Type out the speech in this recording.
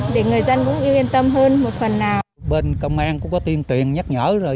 để người dân cũng yêu yên tâm hơn một phần nào bên công an cũng có tuyên truyền nhắc nhở rồi